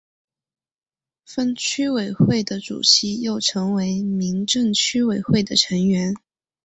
分区委员会的主席又成为民政区委员会的成员。